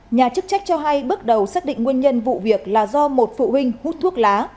nhà chức trách cho hay bước đầu xác định nguyên nhân vụ việc là do một phụ huynh hút thuốc lá